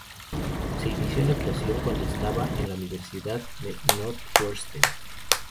Se inició en la actuación cuando estaba en la Universidad de Northwestern.